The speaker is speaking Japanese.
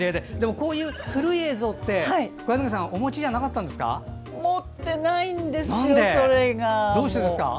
こういう古い映像って小柳さん持ってないんです、それが。